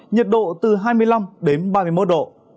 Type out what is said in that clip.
nhiệt độ từ hai mươi năm đến ba mươi một độ